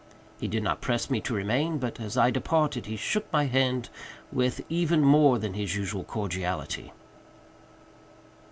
He did not press me to remain, but, as I departed, he shook my hand with even more than his usual cordiality.